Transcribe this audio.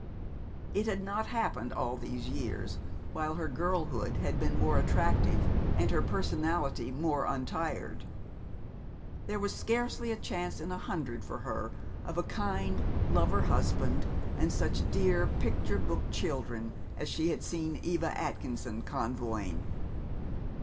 It had not happened all these years while her girlhood had been more attractive and her personality more untired. There was scarcely a chance in a hundred for her of a kind lover husband and such dear picture book children as she had seen Eva Atkinson convoying.